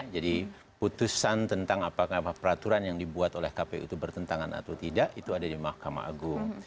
jadi putusan tentang apakah peraturan yang dibuat oleh kp udk bertentangan atau tidak itu ada di mahkamah agung